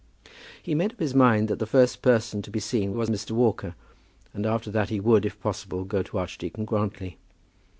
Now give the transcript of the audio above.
He made up his mind that the first person to be seen was Mr. Walker, and after that he would, if possible, go to Archdeacon Grantly.